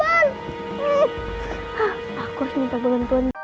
bagi qohom peng rewards uang kering atau lebih banyaknya berlaku di luar